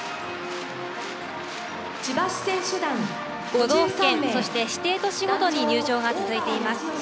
都道府県そして、指定都市ごとに入場が続いています。